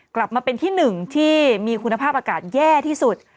กลับมาเป็นที่๑ที่มีคุณภาพอากาศแย่ที่สุด